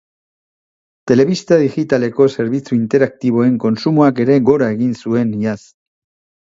Telebista digitaleko zerbitzu interaktiboen kontsumoak ere gora egin zuen iaz.